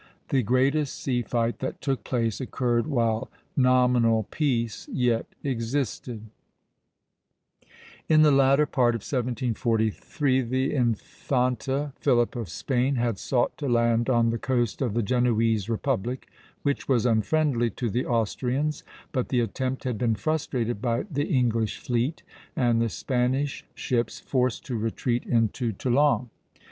The greatest sea fight that took place occurred while nominal peace yet existed. [Illustration: Pl. VII. MATTHEWS. FEB., 1744., Pl. VIIa. BYNG. MAY, 1756.] In the latter part of 1743 the Infante Philip of Spain had sought to land on the coast of the Genoese Republic, which was unfriendly to the Austrians; but the attempt had been frustrated by the English fleet, and the Spanish ships forced to retreat into Toulon.